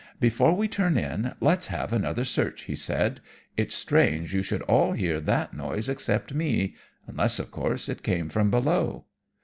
"'Before we turn in, let's have another search,' he said. 'It's strange you should all hear that noise except me unless, of course, it came from below.'